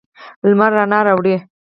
لمر رڼا راوړي.